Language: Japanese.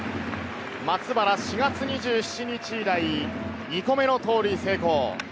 松原、４月２７日以来、２個目の盗塁成功。